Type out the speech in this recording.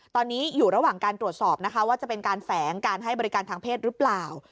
ตอนนี้อยู่ระหว่างการตรวจสอบนะคะว่าจะเป็นการแฝงการให้บริการทางเพศหรือเปล่า